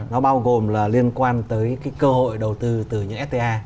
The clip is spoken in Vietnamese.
nó bao gồm là liên quan tới cái cơ hội đầu tư từ những fta